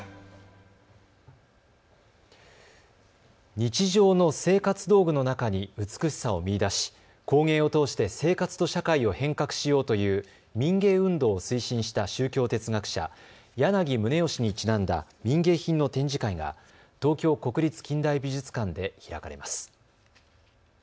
日常の生活道具の中に美しさを見いだし工芸を通して生活と社会を変革しようという民芸運動を推進した宗教哲学者、柳宗悦にちなんだ民芸品の展示会が東京国立近代美術館で開かれます。